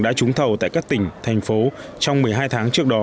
đã trúng thầu tại các tỉnh thành phố trong một mươi hai tháng trước đó